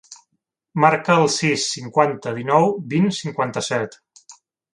Marca el sis, cinquanta, dinou, vint, cinquanta-set.